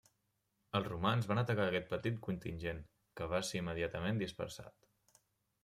Els romans van atacar aquest petit contingent, que va ser immediatament dispersat.